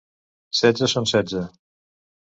Setze són setze.